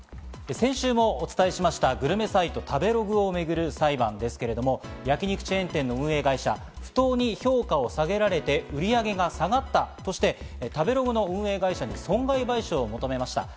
先週もお伝えしました、グルメサイト・食べログをめぐる裁判ですけど、焼肉チェーン店の運営会社、不当に評価を下げられて、売り上げが下がったとして、食べログの運営会社に損害賠償を求めました。